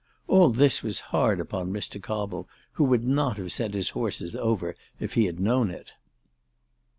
All this was hard upon Mr. Cobble, who would not have sent his horses over had he known it.